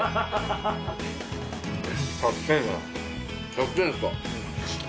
１００点っすか？